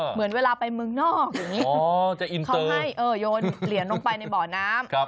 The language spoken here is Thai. เหมือนเวลาไปเมืองนอกอย่างนี้เขาให้โยนเหรียญลงไปในบ่อน้ำ